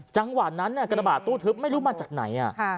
จังหวะนั้นกระบาดตู้ทึบไม่รู้มาจากไหน